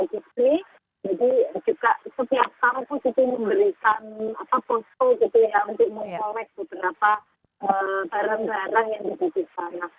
jadi juga setiap kampus itu memberikan posto untuk meng collect beberapa barang barang yang di publih saya